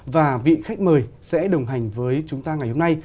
và vị khách mời sẽ đồng hành với chúng ta ngày hôm nay